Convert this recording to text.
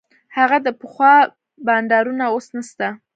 هغه د پخوا بانډارونه اوس نسته.